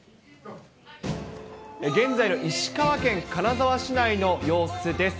現在の石川県金沢市内の様子です。